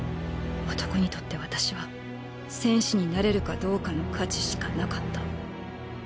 男にとって私は戦士になれるかどうかの価値しかなかった。